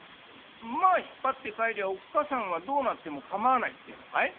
馬引っ張って帰りゃあおっかさんがどうなっても構わないっていうのかい？